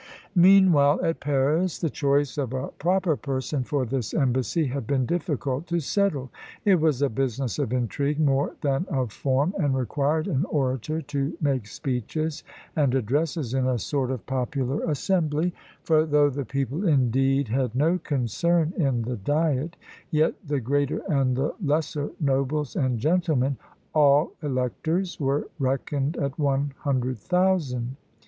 Meanwhile, at Paris, the choice of a proper person for this embassy had been difficult to settle. It was a business of intrigue more than of form, and required an orator to make speeches and addresses in a sort of popular assembly; for though the people, indeed, had no concern in the diet, yet the greater and the lesser nobles and gentlemen, all electors, were reckoned at one hundred thousand.